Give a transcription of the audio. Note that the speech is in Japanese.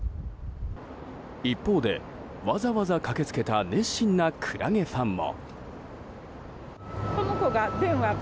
一方で、わざわざ駆け付けた熱心なクラゲファンも。